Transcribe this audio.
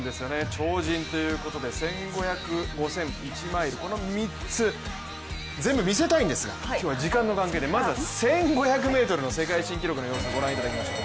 超人ということで１５００、５０００、１マイル、この３つ、全部見せたいんですが今日は時間の関係でまずは１５００ｍの世界新記録の様子ご覧いただきましょう。